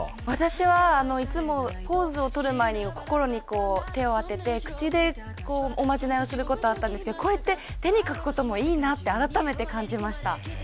私はいつもポーズをとる前に、心に手を当てて口で、おまじないをすることはあったんですけれども、こうやって手に書くこともいいなって改めて感じました。